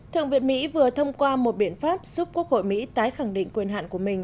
thượng viện mỹ vừa thông qua một biện pháp giúp quốc hội mỹ tái khẳng định quyền hạn của mình